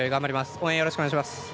応援よろしくお願いします。